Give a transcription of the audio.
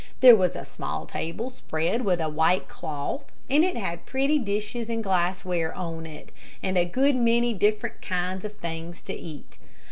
There was a small table spread with a white cloth, and it had pretty dishes and glassware on it, and a good many different kinds of things to eat.